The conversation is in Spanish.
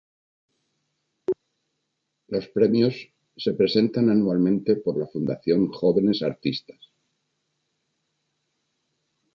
Los premios se presentan anualmente por la Fundación Jóvenes Artistas.